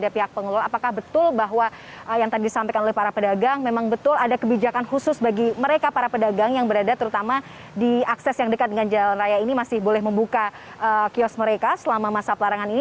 pihak pengelola apakah betul bahwa yang tadi disampaikan oleh para pedagang memang betul ada kebijakan khusus bagi mereka para pedagang yang berada terutama di akses yang dekat dengan jalan raya ini masih boleh membuka kios mereka selama masa pelarangan ini